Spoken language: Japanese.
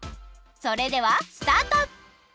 それではスタート！